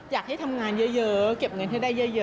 อยากให้ทำงานเยอะเก็บเงินให้ได้เยอะ